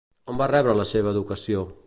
On va rebre la seva educació?